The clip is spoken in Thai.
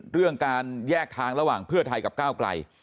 เรื่องการแยกทางระหว่างเพื่อไทยกับก้าวไกล